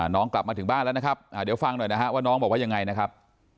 น้องกลับมาถึงบ้านแล้วนะครับเดี๋ยวฟังหน่อยนะฮะว่าน้องบอกว่ายังไงนะครับ